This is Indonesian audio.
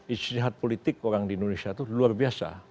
istihad politik orang di indonesia itu luar biasa